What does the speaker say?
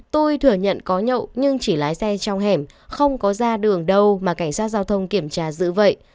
tôi thừa nhận có nhậu nhưng chỉ lái xe trong hẻm không có ra đường đâu mà cảnh sát giao thông kiểm tra giữ vậy